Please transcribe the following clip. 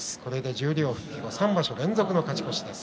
十両復帰後３場所連続の勝ち越しです。